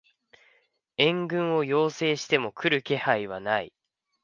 援軍を要請しても来る気配はない